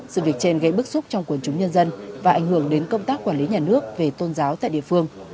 sự việc trên gây bức xúc trong quần chúng nhân dân và ảnh hưởng đến công tác quản lý nhà nước về tôn giáo tại địa phương